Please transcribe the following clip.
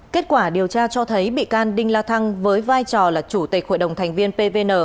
kết quả điều tra cho thấy bị can đinh la thăng với vai trò là chủ tịch hội đồng thành viên pvn